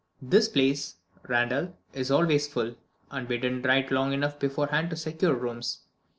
This place, Randal, is always full; and we didn't write long enough beforehand to secure rooms.